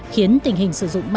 khiến tình hình sử dụng